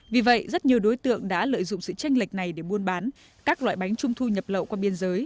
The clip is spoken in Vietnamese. vì vậy rất nhiều đối tượng đã lợi dụng sự tranh lệch này để buôn bán các loại bánh trung thu nhập lậu qua biên giới